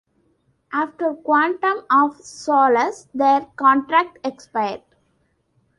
After "Quantum of Solace", their contract expired.